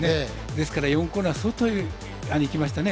ですから４コーナー外にいきましたね。